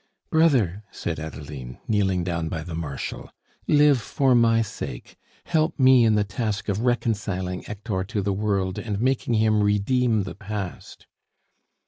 "Brother!" said Adeline, kneeling down by the Marshal, "live for my sake. Help me in the task of reconciling Hector to the world and making him redeem the past."